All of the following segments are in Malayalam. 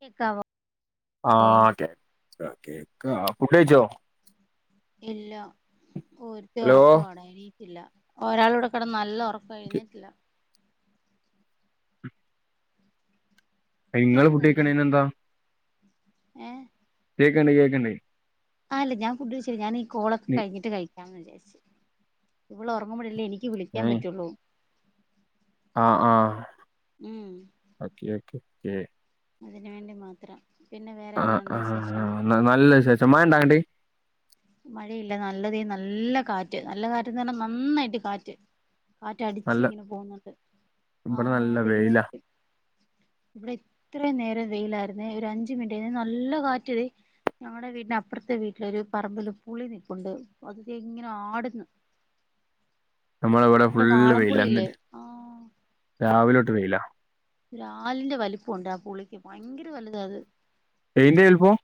കേക്കാവോ ആ ഓക്കെ ആ കേക്ക ഫുഡയ്ച്ചോ ഇല്ല ഒരുത്തി ഹലോ ഒറക്കമാണ് എണീറ്റില്ല ഒരാള്വ്ടെ കെട്ന്ന് നല്ല ഒർ ക്കാ എഴുന്നേറ്റില്ല നിങ്ങള് ഫുഡ് കേക്കുന്നുണ്ടോ കഴിക്കണേന് എന്താ ഏ കേക്ക്ണ്ട് കേക്ക്ണ്ട് ആ ല്ല ഞാൻ ഫുഡ് കഴിച്ചില്ല ഞൻ ഈ കോളൊക്കെ കഴിഞ്ഞിട്ട് കഴിക്കാന്ന് വിചാരിച്ച് ഇവള് ഒറങ്ങ്മ്പോഴല്ലേ എനിക്ക് ക്ക് വിളിക്കാൻ പറ്റുള്ളൂ ആ ആ ഉം ഓക്കെ ഓക്കെ ഓക്കെ അതിന് വേണ്ടി മാത്രം പിന്നെ വേറെന്നാ ഉണ്ട് വിശേഷം ന്ന നല്ല വിശേഷം മഴ ണ്ടാ അങ്ങണ്ട് മഴയില്ല നല്ലതെയ നല്ല കാറ്റ് നല്ല കാറ്റ് എന്ന് പറഞ്ഞ നന്നായിട്ട് കാറ്റ് കാറ്റ് അടിച്ച് നല്ല ഇങ്ങനെ പോകൂന്നുണ്ട് ആ ഇവിടെ നല്ല വെയിലാ പെയ്യുവായിരിക്കും ഇവിടെ ഇത്ര നേരം വെയിലായിരുന്ന ഒരു അഞ്ച മിനിറ്റ് ആ നല്ല കാറ്റത് ഞങ്ങളടെ വീടിന്റെ അപ്പുറത്തെ വീട്ടിലൊരു പറമ്പില് പുളി നിപ്പുണ്ട് അത് തെ ങ്ങനെ ആടുന്നു നമ്മള ഇവിടെ നമ്മുടെ ഫുള്ള് വെയില ന്ന് വാളംപുളിയില്ലേ ആഹ് രാവിലോട്ട് വെയില ഒരാലിന്റെ വലിപ്പുണ്ട് ആ പുളിക്ക് ഭയങ്കര വലുത അത് എയിന്റെ എൽപ്പം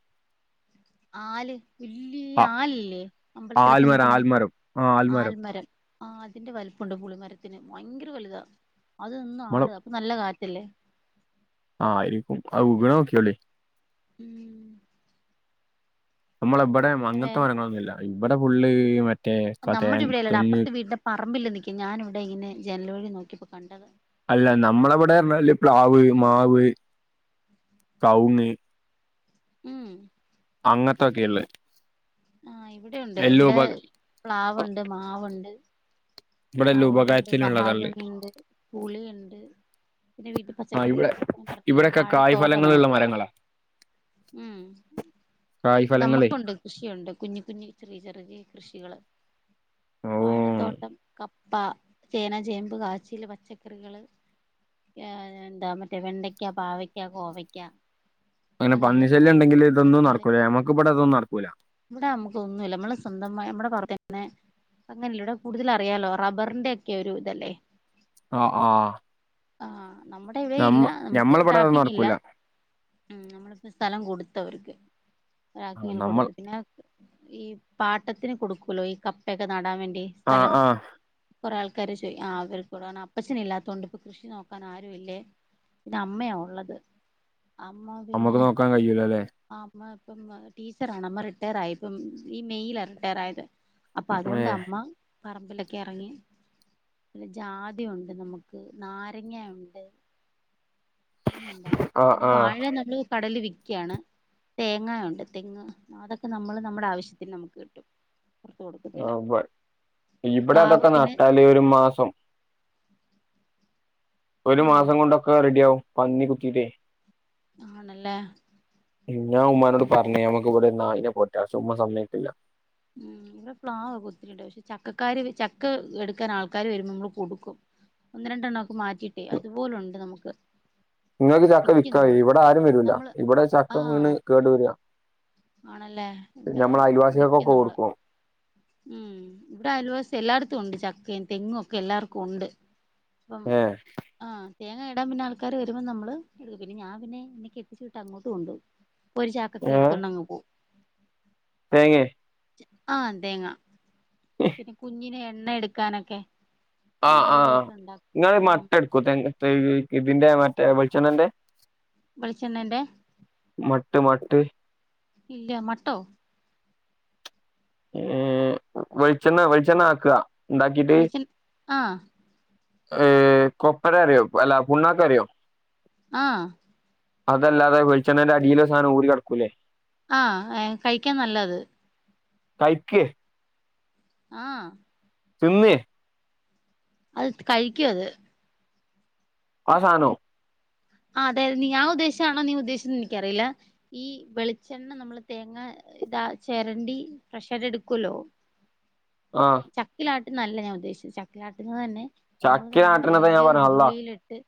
ആല് വെല്യ ആഹ് ആൽല്ലേ. അമ്പലത്തിലൊക്കെ ആൽമരം നിക്കുന്നെ ആൽമരം ആഹ് ആൽമരം ആഹ് അതിന്റെ വല്പ്ണ്ട് പുളിമരത്തിന് ഭയങ്കര വല്താ. അതെന്നും നമ്മളെ ആടാ അപ്പൊ നല്ല കാറ്റല്ലേ. ആഹ് ആയിരിക്കും അഹ് വിക് ണോക്ക്യോളി. ഉം നമ്മളെ ബെടെ മ പിന്നെ അങ്ങൻത്തെ വേറെ മരങ്ങളൊന്നുല്ല. ബടെ ഫുള്ള് മറ്റേ തേ നമ്മടെ ഇവിടെയെല്ലടാ. തെങ്ങ് അപ്പർത്തെ വീട്ന്റെ പറമ്പില് നിക്കിം. ഞാനി വ്ടെ ഇനെ ജനൽവഴി നോക്കിപ്പോ കണ്ടതാ അല്ല നമ്മളവടെർഞ്ഞാല് പ്ലാവ്, മാവ്, കൗങ് ഉം അങ്ങത്തൊക്കേള്ളേ ആഹ്. ഇവിടെയൊണ്ട്. ഇവ്ടെ പ്ലാവൊണ്ട്, മാവുണ്ട് ഇവിടെ എല്ലാം കവുങ് ണ്ട്, ഉപകാരത്തിനുള്ളതള്ള് മഹാഗണി ണ്ട്, പുളിയ്ണ്ട് പിന്നെ വീട്ട് ആ പച്ചക്കറി ഇവിടെ ഞാ പറഞ്ഞില്ലേ ഇവിടെക്കെ വാഴത്തോട്ടാ കായ്ഫലങ്ങളുള്ള നമക്ക്. മരങ്ങളാ മ്. ഇവ് കായ്ഫലങ്ങളേ നമ്മക്കുണ്ട്. കൃഷിയുണ്ട്. കുഞ്ഞി, കുഞ്ഞി ചെറിയ, ചെറിയ കൃഷികള്. ഓ വാഴത്തോട്ടം കപ്പ, ചേന, ചേമ്പ്, കാച്ചില്, പച്ചക്കറികള് ന്താ മറ്റേ വെണ്ടയ്ക്ക, പാവയ്ക്ക, കോവയ്ക്കാ അങ്ങനെ പന്നി ശല്ല്യണ്ടെങ്കില് തൊന്നും നടക്കൂല. ഞമ്മക്ക് വടെ തൊന്നും നടക്കൂല. വടെ നമ്മുക്കോന്നുല്ല. മ്മള് സ്വന്തമായി അമ്മടെ പാടത്തെന്നെ അങ്ങൻല്ലെടാ കൂടുതല റിയാലോ റബ്ബർന്റെയൊക്കെ ഒരു തല്ലേ. ആഹ് ആഹ് ആഹ് ആഹ് നമ്മടെ ഇവിടെയില്ല. നമുക്ക് ഞമ്മളിവിടെ അതൊന്നും ടാപ്പിങ് ഇല്ല. നടക്കൂല ഉം നമ്മളിപ്പോ സ്ഥലം കൊടുത്തവർക്ക്. ആ റാക്കിങ്ങിൽ നമ്മൾ കൊടുത്ത് പിന്നെ ഈ പാട്ടത്തിന് കൊടുക്കല്ലോ ഈ കപ്പയൊക്കെ നടാവേണ്ടി ആ സ്ഥലം. ആ കുറേ ആൾക്കാര് ചോയി ആഹ് അവർക്കൊടണ പ അപ്പഛനില്ലാത്തോണ്ട് ഇപ്പം കൃഷി നോക്കാൻ ആരും ഇല്ലേ. പിന്നെ അമ്മയാ ഒള്ളത്. അമ്മ അമ്മക്ക് നോക്കാകയ്യൂലലെ. ആഹ് അമ്മ ഇപ്പം ന്ന ടീച്ചറാണമ്മ. റിട്ടേയറായി പ്പം. ഈ മേയിലായിര്ന്ന് റിട്ടേയറായത്. അപ്പ ഏ അതോണ്ട് അമ്മ പറമ്പില ക്കെ എറങ്ങി പിന്നെ ജാതി ഉണ്ട് നമുക്ക്. നാരങ്ങ ഉണ്ട് പിന്നെന്താ ആ പിന്നെ ആ വാഴ നമ്മള് കടേല് വിക്ക്യാണ്. തേങ്ങായുണ്ട്. തെങ് അതൊക്കെ നമ്മള് നമ്മടെ ആവശ്യത്തിന് നമുക്ക് കിട്ടും. പുറത്ത് കൊടുക്കത്തില്ല ആഹ് ഉവ്വ്. ഇവടെ പ്ലാവ് അതൊക്കെ പിന്നെ നട്ടാല് ഒരു മാസം ഒരു ആഹ് മാസം കൊണ്ടൊക്കെ റെഡിയാവും പന്നി കുത്തിട്ടേ ആണല്ലേ ഞാൻ ഉമ്മാനോട് ഉം പർഞ്ഞ് നമ ഇവ്ടെ ഒരു നായിനെ പൊറ്റാ. പക്ഷെ ഉമ്മ സമ്മയ്ക്കില്ല. ഉം. ഇവ്ടെ ഫ്ലാവാ കുത്തി ടാ. പക്ഷെ ചക്കക്കാര് ചക്ക എടുക്കാൻ ആൾക്കാര് വരുമ്പൊ മ്മള് കൊടുക്കും. ഒന്ന് രണ്ടെണ്ണൊക്കെ മാറ്റിയിട്ടെ. അതുപോലുണ്ട് നമുക്ക്. ങ്ങെൾക്ക് ചക്ക വിക്കും വിക്കാ നമ്മള് കയ്യും. വടെ ആരും വരൂല. നമ്മള് ഇവടെ ചക്ക വീണ് ആഹ് കേട് വെരാ ആണല്ലേ. ഇവ്ടെ വിക്കും നമ്മള്. കൊടുക്കും ഉം. ഇവടെ അയൽവസി എല്ലാടത്തും ഉണ്ട് ചക്കയും, തെങ്ങും ഒക്കെ എല്ലാർക്കും ഉണ്ട്. പ്പം ഏ ആഹ് തേങ്ങ ഇടാം പിന്നെ ആൾക്കാര് വരുമ്പം നമ്മള് പിന്നെ ഞാ പിന്നെ ന്നെ കെട്ടിച്ചു വിട്ട അങ്ങോട്ട് കൊണ്ടോവും. ഒരു ചാക്കൊക്കെ ഏ എടുത്തോണ്ടങ്ങ് പോവും തേങ്ങേ ആഹ് തേങ്ങ പിന്നെ കുഞ്ഞിന് എണ്ണ എടുക്കാനൊക്കെ ആഹ് നമ്മള് ആഹ് വീട്ടിലുണ്ടാക്കും ഇങ്ങള് ഉം മട്ടെടുക്കോ തെ ഇതിന്റെ മറ്റേ വെളിച്ചെണ്ണന്റെ വെളിച്ചെണ്ണന്റെ മട്ട് മട്ട് ഇല്യ മട്ടോ ഏഹ് വെൾച്ചെണ്ണ വെൾച്ചെണ്ണ ആക്ക ഇണ്ടാക്കീട്ട് വെളിച്ചെ ആഹ് ഏഹ് കൊപ്പര അറിയോ അല്ല പുണ്ണാക്ക് അറിയോ? ആഹ് അതല്ലാതെ വെള്ളിച്ചെണന്റെ അടിലെ സാനം ഊരി കടക്കൂലേ ആഹ് ഏഹ് കഴിക്കാൻ നല്ലത് കയിക്കെ ആഹ് തിന്നേ അത് കഴിക്കു അത് ആഹ് സാനോ ആഹ് അതെ ഞാൻ ഉദ്ദേശിച്ചാണോ നീ ഉദ്ദേശിച്ചത് എനിക്കറിയില്ല ഈ വെളിച്ചെണ്ണ നമ്മള് തേങ്ങ ഇതാ ചേരണ്ടി പ്രഷർ എടുക്കല്ലോ ആഹ് ചക്കിലാട്ട് നല്ല ഞാൻ ഉദ്ദേശിച്ചെ ചക്കിലാട്ടിന്ന് തന്നെ നമ്മള് ചക്ക തന്നെ ആട്ടണതാ ഞാൻ വെല്യേ പറഞ്ഞ അള്ളാ ഉരുളിലിട്ട്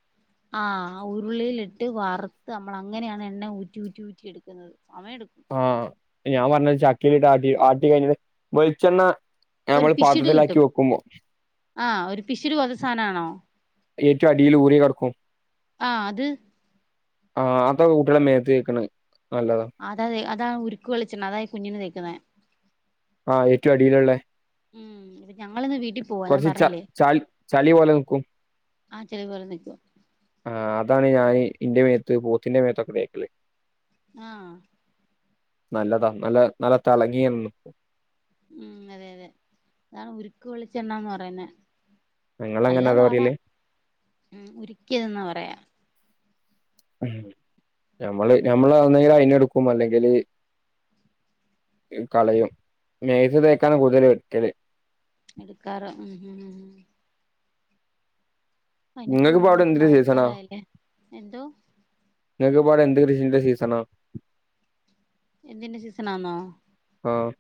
ആഹ് ഉരുളിലിട്ട് വറുത്ത് നമ്മള് അങ്ങനെണ് എണ്ണ ഊറ്റി ഊറ്റി ഊറ്റി എടുക്കുന്നത് സമയം എടുക്കും ആഹ് ഞാൻ പർഞ്ഞത് ചക്കിലിട്ട് ആട്ടി ആട്ടി കഴിഞ്ഞിട്ട് വെളിച്ചെണ്ണ ഒരു ഞമ്മള് പിഷിട് പാത്രത്തിലാക്കി കിട്ടും വെക്കുമ്പോ ആഹ് ഒരു പിഷിട് പോലെത്തെ സാനാണോ? ഏറ്റും അടില് ഊറി കടക്കും ആഹ് അത് ആഹ് അതൊക്കെ കുട്ടികളെ മേത്ത് തെക്ക്ണ് നല്ലതാ അതാ അതാ ഉരുക്ക് വെളിച്ചെണ്ണ അതാ കുഞ്ഞിന് തെക്കുന്നെ ആഹ് ഏറ്റവും അടില്ള്ളേ ഉം ഞങ്ങള്ന്ന് വീട്ടിൽ പോവാ ഞാൻ കൊറച്ച് ച പർഞ്ഞിലെ ചളി ചളി പോലെ നിക്കും ആഹ് [unintelligible] ആഹ് അതാണ് ഞാന് ഇന്റെ മേത്ത് പോത്തിന്റെ മേത്തൊക്കെ തേക്കല് ആഹ് നല്ലതാ നല്ല നല്ല തെളങ്ങിങ്ങനെ നിക്കും ഉം അതെ അതെ അതാണ് ഉരുക്ക് വെളിച്ചെണ്ണന്ന് പറയുന്നെ അല്ല നിങ്ങളങ്ങനെ അതാ വാട പറയല് ഉം ഉര്ക്കിയതെന്നാ പറയാ ഉം ഞമ്മള് ഞമ്മള് ഒന്നങ്കില് അയ്ന് ഇട്ക്കും അല്ലെങ്കില് കളയും മേത്ത് തേക്കാനാണ് കൂടുതല് വെട്ടല് എടുക്കാറ് ഉം ഉം ഉം ഇനിപ്പോ നിങ്ങക്കിപ്പോ അവിടെ മുമ്പോട്ട് എന്തിന്റെ സീസണാ മഴക്കാലായില്ലേ എന്തോ നിങ്ങക്ക്‌പ്പോ എന്ത് കൃഷിന്റെ സീസണാ? എന്തിന്റെ സീസണാന്നോ? ആഹ്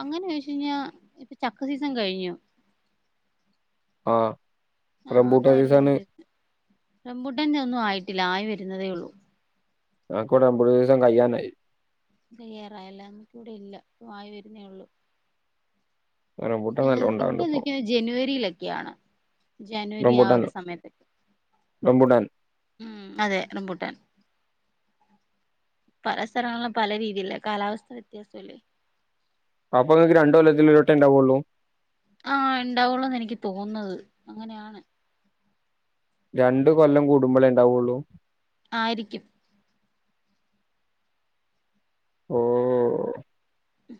അങ്ങനെ ചോയ്ച്ച് കഴിഞ്ഞാ ഇപ്പൊ ചക്ക സീസൺ കഴിഞ്ഞു ആഹ് ആഹ് റംബൂട്ടാൻ അതായിരുന്നു ഒരു സീസണ് സീസൺ റംബുട്ടാന്റെ ഒന്നും ആയിട്ടില്ല ആയി വരുന്നതേ ഒള്ളൂ ആ ക്കി വിടെ റാബുട്ടാൻ സീസൺ കയ്യാനായി കായ്യാറായില്ലേ നമ്മക്ക് ഇല്ല ആയിവരുന്നേ ഉള്ളൂ റംബൂട്ടാൻ നല്ലോം ഉണ്ടാവ്ണ്ട് ഇവിടെ ഇപ്പൊ. നിക്കുന്നത് ജനുവരിയിലൊക്കെയാണ് ജനുവരി ആ റംബൂട്ടാൻ ഒരു സമയത്തൊക്കെ റംബൂട്ടാൻ ഉം അതെ റമ്പൂട്ടാൻ പല സ്ഥലങ്ങളിലും പല രീതിയിയില കാലാവസ്ഥ വ്യത്യാസംല്ലേ അപ്പൊ നിങ്ങക്ക് രണ്ട് കൊല്ലതിൽ ഒരുരുട്ട ഉണ്ടാവുള്ളൂ ആഹ് ഇണ്ടാവുള്ളൂന്നാ എനിക്ക് തോന്നുന്നത് അങ്ങനെയാണ് രണ്ട് കൊല്ലം കൂടുമ്പളേ ഉണ്ടാവൊള്ളൂ ആയിരിക്കും ഓഹ് ഉം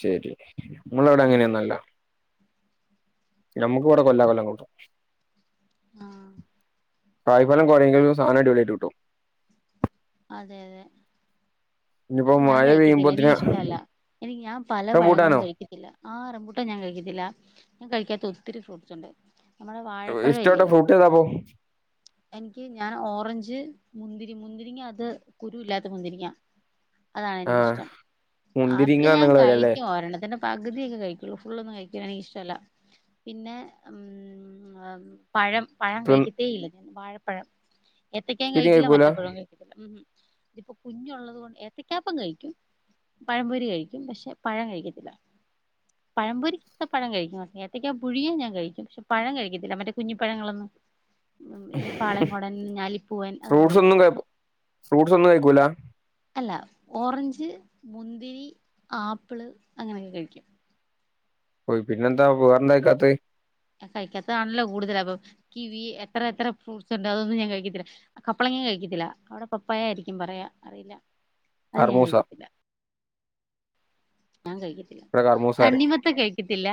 ശരി നിങ്ങളവിടെ അങ്ങനെയൊന്നും അല്ല ഞമ്മക്ക് ഇവിടെ കൊല്ലാകൊല്ലം കൊടുക്കും ആഹ് കായ്ഫലം കുറയുങ്കിലും സാധനം അടിപൊളിയായിട്ട് കിട്ടും അതെ അതെ ഇനിയിപ്പോ ത് ഞാൻ മഴ കഴിക്കത്തില്ല എനിക്ക് പെയ്യുമ്പോത്തിന് ഇഷ്ടവല്ല എനിക്ക് ഞാൻ പല പഴങ്ങളും റംബൂട്ടാനോ കഴിക്കും ഇല്ല ആ റമ്പുട്ടാൻ ഞാൻ കഴിക്കത്തില്ല ഞാൻ കഴിക്കാത്ത ഒത്തിരി ഫ്രൂട്ട്സ് ഉണ്ട് നമ്മുടെ വാഴപ്പഴം ഇഷ്ടപ്പെട്ട ഇല്ലേ ഫ്രൂട്ട് ഏതാപ്പോ? എനിക്ക് ഞാൻ ഓറഞ്ച് മുന്തിരി മുന്തിരിങ്ങ അത് കുരു ഇല്ലാത്ത മുന്തിരിങ്ങ ആഹ് അതാണെനിക്കിഷ്ടം ആപ്പിള് മുന്തിരിങ്ങാ ഞാൻ നിങ്ങള് പറയല്ലേ? കഴിക്കും ഒരെണ്ണത്തിന്റെ പകുതിയൊക്കെ കഴിക്കുള്ളു ഫുള്ളൊന്നും കഴിക്കാനെനിക്ക് ഇഷ്ടല്ല പിന്നെ ഉം അ ഉം പഴം പഴം തിൻ കഴിക്കത്തേ ഇല്ല ഞാൻ വാഴപ്പഴം എത്തക്കായും മുന്തിരി കഴിക്കില്ല കഴിക്കൂല? മറ്റെ പഴവും കഴിക്കില്ല ഉം ഹ് ഇതിപ്പൊ കുഞ്ഞ് ഉള്ളത് കൊ ഏ ഏത്ത ക്കാപ്പം കഴിക്കും പഴപൊരി കഴിക്കും പക്ഷെ പഴം കഴിക്കത്തില്ല പഴംപൊരിക്കകത്തെ പഴം കഴിക്കും ഏത്തക്ക പുഴിങ്ങിയ ഞാൻ കഴിക്കും പക്ഷെ പഴം കഴിക്കത്തില്ല മറ്റേ കുഞ്ഞിപ്പഴങ്ങളൊന്നും ഈ പാളേംകോടൻ ഞാലിപ്പൂവൻ അതൊന്നും കഴിക്കത്തി ഫ്രൂട്ട്സ്‌ ഒന്നും കഴിക്കൂലാ അല്ല ഓറഞ്ച് മുന്തിരി ആപ്പിള് അങ്ങനെയൊക്കെ കഴിക്കും പൊയ് പിന്നെന്താ വേറെന്ത കഴിക്കാത്തെ അ കഴിക്കാത്തതാണല്ലോ കൂടുതല് അപ്പം കിവി എത്ര എത്ര ഫ്രൂട്ട്സ് ഉണ്ട് അതൊന്നും ഞാൻ കഴിക്കത്തില്ല കപ്ലങ്ങ കഴിക്കത്തില്ല അവിടെ പപ്പായയായിരിക്കും പറയാ അറിയില്ല അത് ഞാൻ കർമൂസ. കഴിക്കത്തില്ല ഞാൻ കഴിക്കും ഇവിടെ കർമൂസ പറയും. തണ്ണിമത്തൻ കഴിക്കത്തില്ല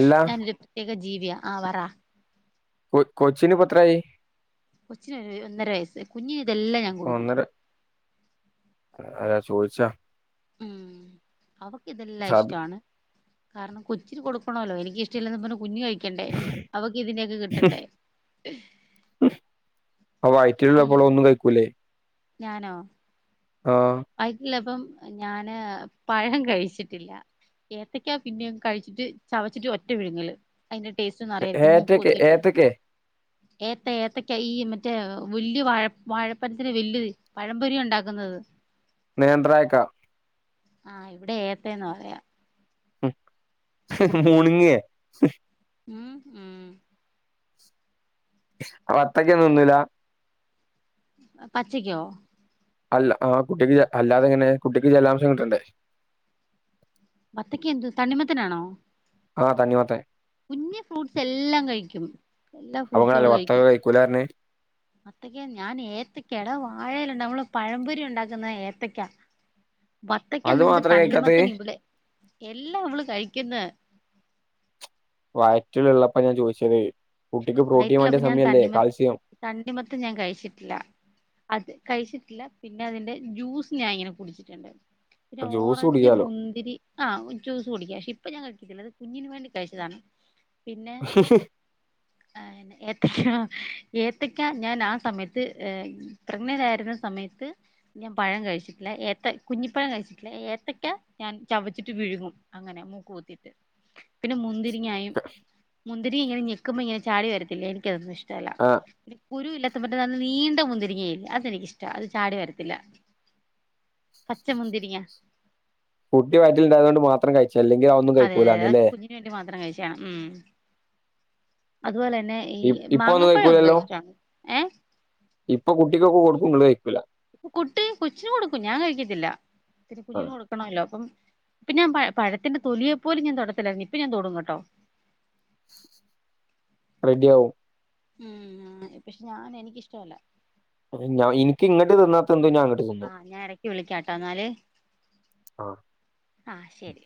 അല്ല ഞാനൊരു പ്രത്യേക ജീവിയാ ആഹ് പറ കൊ കൊച്ചിനിപ്പൊ എത്രയായി കൊച്ചിന് ഒരു ഒന്നര വയസ്സ് കുഞ്ഞിന് ഇതെല്ലാം ഞാൻ കൊടുക്കും അല്ലാ ചോദിച്ച ഉം അവക്ക് ഇതെല്ലാം സാധ ഇഷ്ടവാണ് കാരണം കൊച്ചിന് കൊടുക്കണല്ലോ എനിക്ക്ഷ്ടില്ല എന്നും പറഞ്ഞ് കുഞ്ഞ് കഴി ക്കണ്ടേ അവക്ക് ഇതിനെയൊക്കെ കിട്ടണ്ടേ അപ്പ ഉം വൈറ്റിലുള്ളപ്പളോ ഒന്നും കഴിക്കൂലേ ഞാനോ ആഹ്. വയറ്റിലുള്ളപ്പം ഞാന് പഴം കഴിച്ചിട്ടില്ല. ഏത്തയ്ക്കാ പിന്നേം കഴിച്ചിട്ട് ചവച്ചിട്ട് ഒറ്റ വിഴുങ്ങല് അയ്ന്റെ ടേസ്റ്റൊന്നും അറിയാരിക്കും മൂക്ക് ഏത്തക്കെ പൊത്തിട്ട് ഏത്തക്കെ ഏത്ത ഏത്തയ്ക്ക ഈ മറ്റേ വല്ല്യ വാഴ വാഴപ്പഴത്തിൻ്റെ വല്ല്യത് പഴംപൊരി ഉണ്ടാക്കുന്നത്. നേന്ത്രായക്കാ ആഹ്, ഇവിടെ ഏത്തയെന്നാ പറയാ മുണുങ്ങേ ഉം, ഉം വത്തയ്ക്ക ഒന്നും തിന്നൂലാ പച്ചയ്ക്കോ? അല്ല ആഹ് കുട്ട്യക്ക് ജ അല്ലാതെങ്ങനെ കുട്ടിക്ക് ജലാംശം കിട്ടണ്ടേ വത്തയ്ക്ക എന്തു തണ്ണിമത്തിനാണോ ആഹ് തണ്ണിമത്തൻ കുഞ്ഞി ഫ്രൂട്ട്സ് എല്ലാം കഴിക്കും എല്ലാ ഫ്രൂട്ട്സോളു കഴിക്കും. ക്കുലാർഞ്ഞേ വത്തയ്ക്ക ഞാൻ ഏത്തയ്ക്ക എടാ വാഴയിലുണ്ട നമ്മള് പഴംപൊരി ഉണ്ടാക്കുന്ന ഏത്തയ്ക്ക വത്തയ്ക്ക അത് നിങ്ങക്ക് മാത്രേ കഴിക്കാത്തെ തണ്ണിമത്തൻ ഇബ്ളെ എല്ലാം ഇവള് കഴിക്കുന്ന വയറ്റിൽ ഉള്ളപ്പ ഞാൻ ചോദിച്ചത് കുട്ടിക്ക് പ്രോട്ടീൻ വയറ്റിലപ്പൊ വേണ്ട്യ ഞാൻ സമയല്ലേ തണ്ണിമ കാൽസ്യം തണ്ണിമത്തൻ ഞാൻ കഴിച്ചിട്ടില്ല അത് കഴിച്ചിട്ടില്ല, പിന്നെ അതിന്റെ ജ്യൂസ് ഞാൻ ഇങ്ങനെ കുടിച്ചിട്ടുണ്ട്. പിന്നെ ജ്യൂസ് ഓറഞ്ച് കുടിക്കാലോ മുന്തിരി ആഹ്, ജൂസ് കുടിയ്ക്കാ പക്ഷെ ഇപ്പ ഞാൻ കഴിക്കത്തില്ല ത് കുഞ്ഞിന് വേണ്ടി കഴിച്ചതാണ്. [inaudible] ആന്നെ ഏത്തയ്ക്കാ ഏത്തയ്ക്കാ ഞാൻ ആ സമയത്ത് ഏ പ്രഗ്നന്റ് ആയിരുന്ന സമയത്ത് ഞാൻ പഴം കഴിച്ചിട്ടില്ല, ഏത്ത കുഞ്ഞിപ്പഴം കഴിച്ചിട്ടില്ല ഏത്തയ്ക്ക ഞാൻ ചവച്ചിട്ട് വിഴ്ങ്ങും. അങ്ങനെ മൂക്ക് കുത്തിട്ട് പിന്നെ മുന്തിരിങ്ങായും മുന്തിരി ഇങ്ങനെ ഞെക്കുമ്പോ ഇങ്ങനെ ചാടി വെരത്തില്ലേ എനിക്കതൊന്നും ഇഷ്ടല്ല. ആഹ് പിന്നെ കുരു ഇല്ലാത്ത പറ്റ ന നീണ്ട മുന്തിരിങ്ങയില്ലേ അതെനിക്കിഷ്ടാ അത് ചാടി വരത്തില്ല പച്ച മുന്തിരിയ്ങ്ങ. കുട്ടി വയറ്റിൽണ്ടായതോണ്ട് മാത്രം കഴിച്ചാ അല്ലെങ്കി അ അതെ യതെ ആ കുഞ്ഞിന് വേണ്ടി മാത്രം കഴിച്ചയാണ്. ഉം അതുപോലെന്നെ ഈ ഇപ്പൊ ഒന്നും മാങ്ങാപ്പഴൊക്കെ കഴിക്കൂലല്ലോ ഇഷ്ടാണ് ഏഹ് ഇപ്പൊ കുട്ടിക്കൊക്കെ കൊട്ക്കും ങ്ങള് കഴിക്കൂലാ കുട്ടി കൊച്ചിന് കൊട്ക്കും ഞാൻ കഴിക്കത്തില്ല ഇത്തിരി ആ കുഞ്ഞിന് കൊട്ക്കും ക്കണൊല്ലോ അപ്പം പ്പൊ ഞാൻ പഴ പഴത്തിന്റെ തൊലിയെ പോലും ഞാൻ തൊടത്തില്ലായിരുന്നു ഇപ്പൊ ഞാൻ തൊടും കേട്ടോ റെഡിയാവും ഉം, പക്ഷെ ഞാന് എനിക്കിഷ്ടവല്ല. ഞാ എനിക്ക് ഇങ്ങട്ട്തിന്നാത്ത എന്തും ഞാൻ അങ്ങട്ട് തിന്നും. ഞൻ എടയ്ക്ക് വിളിയ്ക്കാട്ടോ എന്നാല് ആഹ് ആഹ് ശെരി.